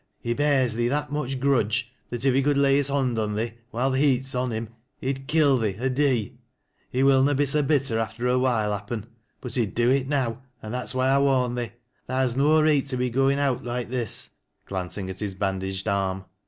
"He bears thee that much grudge that if he could lay his bond on thee, while th' heat's on him, he'd kill thee or dee. He will na be so bitter after a while, happen, but he'd do it now, and that's why I wai n thee. Tha has no reet to be goin' out loike this," glancing at his bandaged arm.